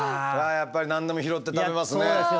やっぱり何でも拾って食べますね。